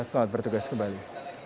selamat bertugas kembali